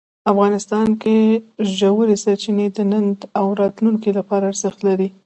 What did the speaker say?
افغانستان کې ژورې سرچینې د نن او راتلونکي لپاره ارزښت لري.